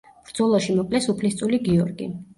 ბრძოლაში მოკლეს უფლისწული გიორგი.